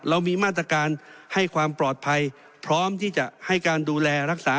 เรามีมาตรการให้ความปลอดภัยพร้อมที่จะให้การดูแลรักษา